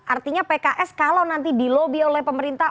artinya pks kalau nanti di lobby oleh pemerintah